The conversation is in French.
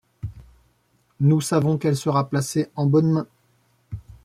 Nous savons qu’elle sera placée en bonnes mains.